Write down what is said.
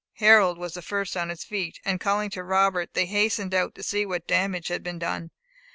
Harold was the first on his feet, and calling to Robert, they hastened out to see what damage had been done.